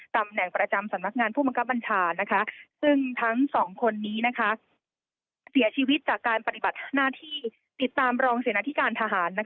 ตำแหน่งประจำสำนักงานผู้บังคับบัญชาซึ่งทั้งสองคนนี้เสียชีวิตจากการปฏิบัติหน้าที่ติดตามรองเสนาธิการทหาร